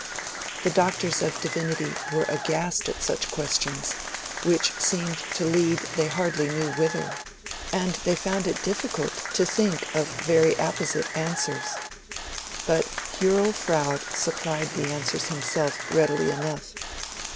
The Doctors of Divinity were aghast at such questions, which seemed to lead they hardly knew whither; and they found it difficult to think of very apposite answers. But Hurrell Froude supplied the answers himself readily enough.